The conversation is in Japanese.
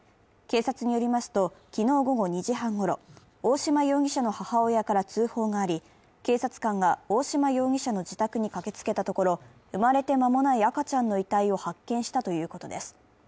警察によりますと、昨日午後２時半ごろ大嶋容疑者の母親から通報があり警察官が大嶋容疑者の自宅に駆けつけたところ生まれて間もない赤ちゃんの遺体を発見したということです。